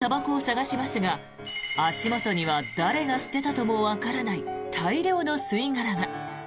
ポイ捨てしたたばこを探しますが足元には誰が捨てたともわからない大量の吸い殻が。